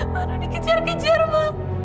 mano dikejar kejar mak